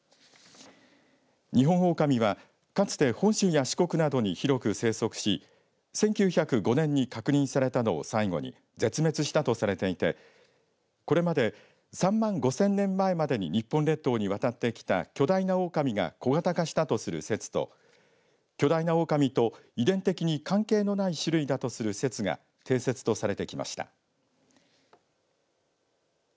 二ホンオオカミはかつて本州や四国などに広く生息し１９０５年に確認されたのを最後に絶滅したとされていてこれまで３万５０００年前までに日本列島に渡ってきた巨大なオオカミが小型化したとする説と巨大なオオカミと遺伝的に関係のない種類だとする説が定説とされてきました。